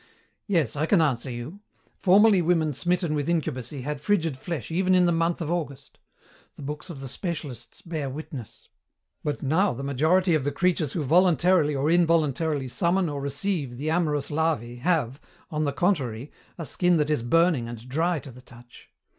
"Yes, I can answer you. Formerly women smitten with incubacy had frigid flesh even in the month of August. The books of the specialists bear witness. But now the majority of the creatures who voluntarily or involuntarily summon or receive the amorous larvæ have, on the contrary, a skin that is burning and dry to the touch.